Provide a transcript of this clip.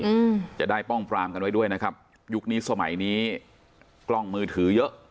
อืมจะได้ป้องปรามกันไว้ด้วยนะครับยุคนี้สมัยนี้กล้องมือถือเยอะ